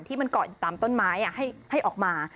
ที่มันเกาะอยู่ตามต้นไม้ให้ออกมา